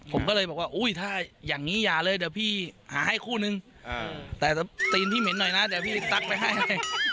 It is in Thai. ผมก็เลยบอกว่าอุ้ยถ้าอย่างนี้อย่าเลยเดี๋ยวพี่หาให้คู่นึงแต่ตีนพี่เหม็นหน่อยนะเดี๋ยวพี่ตั๊กไปให้